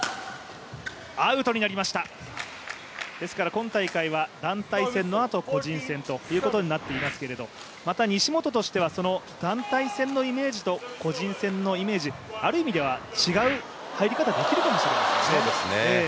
今大会は、団体戦のあと個人戦ということになっていますけれども、西本としてはその団体戦のイメージと個人戦のイメージある意味では違う入り方できるかもしれませんね。